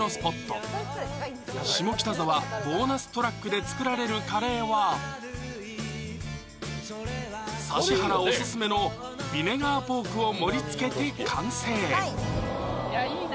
下北沢ＢＯＮＵＳＴＲＡＣＫで作られるカレーは指原オススメのビネガーポークを盛りつけて完成ＡＤＤＡ